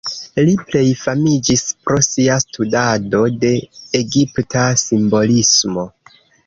Li plej famiĝis pro sia studado de egipta simbolismo.